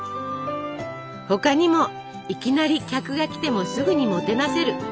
他にも「いきなり」客が来てもすぐにもてなせる。